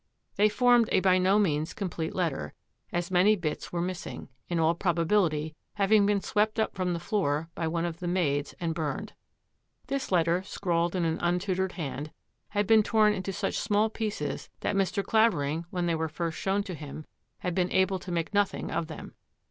They formed a by no means complete letter, as many bits were missing, in all probability having been swept up from the floor by one of the maids and burned. This letter, scrawled in an untutored hand, had been torn into such small pieces that Mr. Claver ing, when they were first shown to him, had been able to make nothing of them.